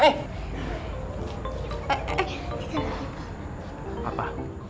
eh eh eh kenapa